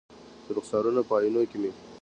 د رخسارونو په آئینو کې مې